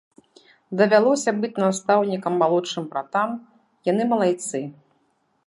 Давялося быць настаўнікам малодшым братам, яны малайцы!